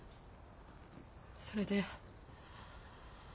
それで。